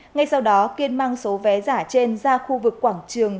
ngay sau đó kiên mang số vé giả trên ra khu vực quảng trường